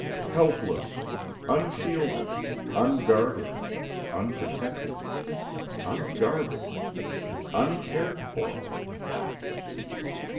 Helpless, unshielded, unguarded ... unprotected ... unguarded ... uncared for....